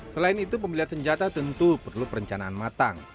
selain itu pembelian senjata tentu perlu perencanaan matang